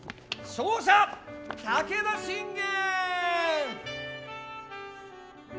勝者武田信玄！